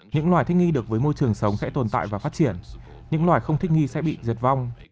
những loài thích nghi được với môi trường sống sẽ tồn tại và phát triển những loài không thích nghi sẽ bị diệt vong